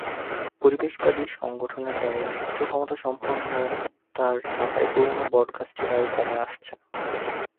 পরিবেশবাদী সংগঠনের দাবি, উচ্চক্ষমতাসম্পন্ন তার থাকায় পুরোনো বটগাছটির আয়ু কমে আসছে।